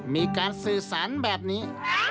มีการสื่อสารแบบนี้